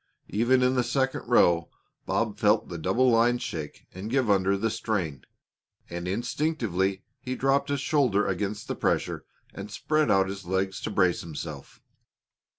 Even in the second row Bob felt the double line shake and give under the strain, and instinctively he dropped a shoulder against the pressure and spread out his legs to brace himself.